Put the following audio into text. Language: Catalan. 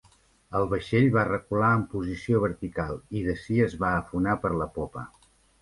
El vaixell va recular en posició vertical i d'ací es va afonar per la popa.